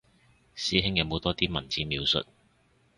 師兄有冇多啲文字描述